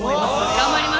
頑張ります。